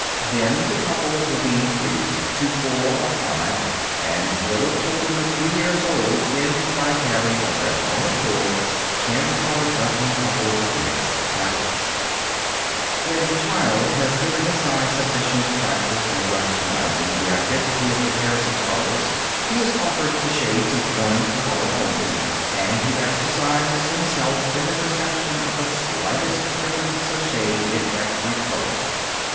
Then the couples will be increased to four or five, and little children of three years old end by pairing of their own accord ten or a dozen couples of mixed tablets. [Illustration: COLOR SPOOLS] When the child has given his eye sufficient practise in recognizing the identity of the pairs of colors, he is offered the shades of one color only, and he exercises himself in the perception of the slightest differences of shade in every color.